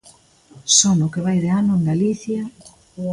Só no que vai de ano en Galicia...